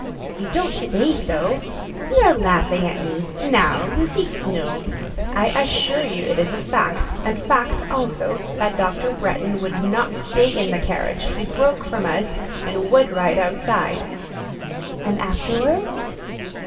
"You don't say so? You are laughing at me. Now, Lucy Snowe—" "I assure you it is fact—and fact, also, that Dr. Bretton would not stay in the carriage: he broke from us, and would ride outside." "And afterwards?"